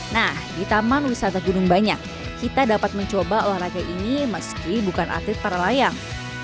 nah di taman wisata gunung banyak kita dapat mencoba olahraga ini meski bukan atlet para layang